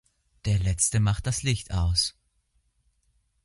Der Letzte macht das Licht aus!